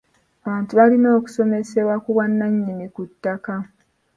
Abantu balina okusomesebwa ku bwannannyini ku ttaka.